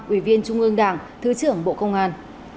ủy viên trung ương đảng thứ trưởng bộ công an